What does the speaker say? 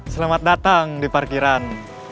selamat datang di parkiran